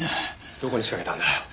どこに仕掛けたんだよ？